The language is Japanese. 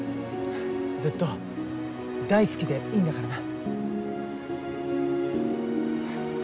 ずっと大好きでいいんだからな。